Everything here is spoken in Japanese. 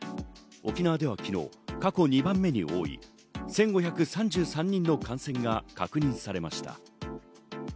沖縄では昨日、過去２番目に多い１５３３人の感染が確認されました。